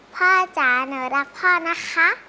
จ๋าหนูรักพ่อนะคะ